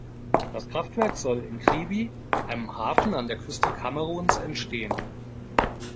Das Kraftwerk soll in Kribi, einem Hafen an der Küste Kameruns entstehen.